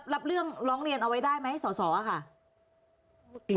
รับเรื่องร้องเรียนเอาไว้ได้มั้ยสสเช